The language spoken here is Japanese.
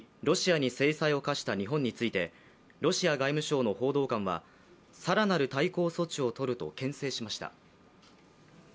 ロシアに制裁を科した日本についてロシア外務省の報道官は更なる対抗措置を取るとけん制しました。